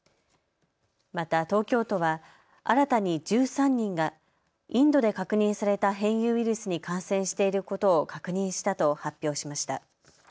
また東京都は新たに１３人がインドで確認された変異ウイルスに感染していることを確認したと発表しました。